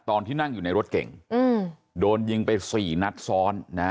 ตอนที่นั่งอยู่ในรถเก่งโดนยิงไปสี่นัดซ้อนนะฮะ